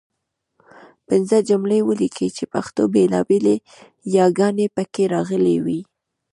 پنځه جملې ولیکئ چې پښتو بېلابېلې یګانې پکې راغلي وي.